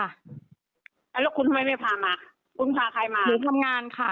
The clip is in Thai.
แล้วคุณทำไมไม่ภามาคุณภากายมา